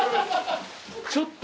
ちょっと。